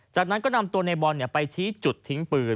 จากนั้นก็นำตัวในบอลไปชี้จุดทิ้งปืน